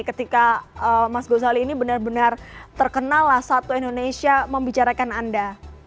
ketika mas ghazali ini benar benar terkenal lah satu indonesia membicarakan anda